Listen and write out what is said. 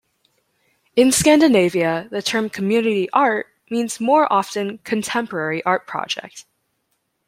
In Scandinavia, the term "community art" means more often contemporary art project.